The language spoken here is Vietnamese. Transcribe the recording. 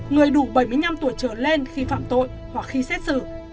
người đủ bảy mươi năm tuổi trở lên khi phạm tội hoặc khi xét xử